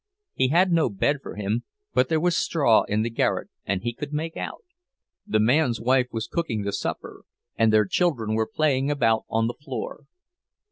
He had no bed for him, but there was straw in the garret, and he could make out. The man's wife was cooking the supper, and their children were playing about on the floor.